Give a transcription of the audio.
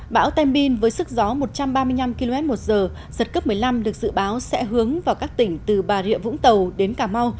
bão tem bin với sức gió một trăm ba mươi năm km một giờ giật cấp một mươi năm được dự báo sẽ hướng vào các tỉnh từ bà rịa vũng tàu đến cà mau